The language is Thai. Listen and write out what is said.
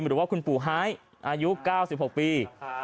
หรือว่าคุณปู่ไฮอายุ๙๖ปี